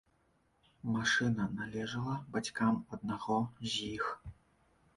Машына належала бацькам аднаго з іх.